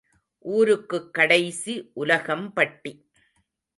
ஊருக்குக் கடைசி உலகம்பட்டி.